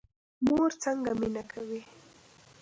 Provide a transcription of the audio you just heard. مور څنګه مینه کوي؟